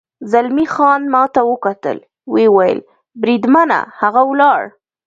زلمی خان ما ته وکتل، ویې ویل: بریدمنه، هغه ولاړ.